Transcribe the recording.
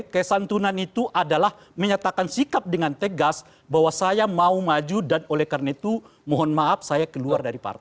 kesantunan itu adalah menyatakan sikap dengan tegas bahwa saya mau maju dan oleh karena itu mohon maaf saya keluar dari partai